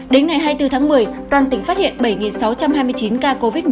đến ngày hai mươi bốn tháng một mươi toàn tỉnh phát hiện bảy sáu trăm hai mươi chín ca covid một mươi chín